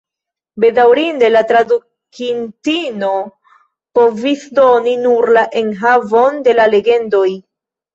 Bedaŭrinde, la tradukintino povis doni nur la enhavon de la legendoj.